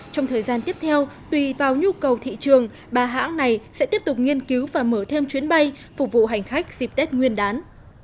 trong thời gian tiếp theo tùy vào nhu cầu thị trường ba hãng này sẽ tiếp tục nghiên cứu và mở thêm chuyến bay phục vụ hành khách dịp tết nguyên đán